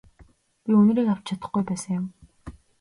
Би үнэрийг авч чадахгүй байсан юм.